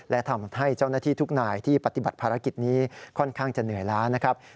และทำให้เจ้าหน้าที่ทุกนายที่ปฏิบัติภารกิจนี้ค่อนข้างจะเหนื่อยล้านะครับ